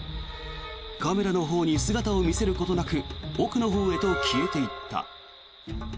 カメラのほうに姿を見せることなく奥のほうへと消えていった。